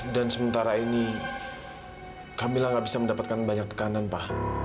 dan sementara ini kamila nggak bisa mendapatkan banyak tekanan pa